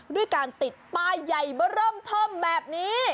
ด้วยการติดป้ายใหญ่เบอร์เริ่มเทิมแบบนี้